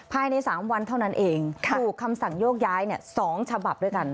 ภายใน๓วันเท่านั้นเองถูกคำสั่งโยกย้าย๒ฉบับด้วยกัน